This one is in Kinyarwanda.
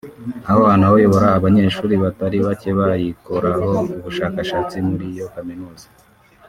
aho anayobora abanyeshuri batari bake bayikoraho ubushakashatsi muri iyo Kaminuza